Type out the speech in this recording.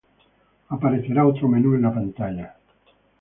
aparecerá otro menú en la pantalla